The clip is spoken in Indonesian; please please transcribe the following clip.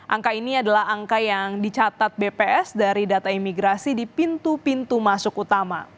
angka ini adalah angka yang dicatat bps dari data imigrasi di pintu pintu masuk utama